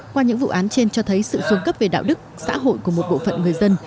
qua những vụ án trên cho thấy sự xuống cấp về đạo đức xã hội của một bộ phận người dân